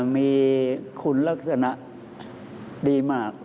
มีคุณลักษณะดีมาก